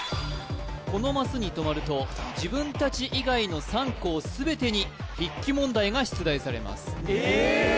このマスに止まると自分たち以外の３校全てに筆記問題が出題されますえっ！？